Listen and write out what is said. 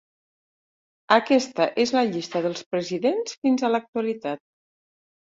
Aquesta és la llista dels presidents fins a l'actualitat.